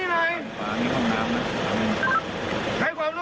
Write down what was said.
เจ้าตัวยืนอยู่หน้าบ้านครับ